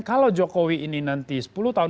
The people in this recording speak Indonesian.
kalau jokowi ini nanti sepuluh tahun